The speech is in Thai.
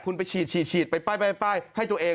คุณไปฉีดไปป้ายให้ตัวเอง